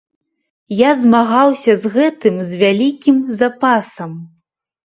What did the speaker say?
Я змагаўся з гэтым з вялікім запасам.